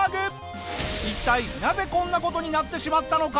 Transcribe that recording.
一体なぜこんな事になってしまったのか？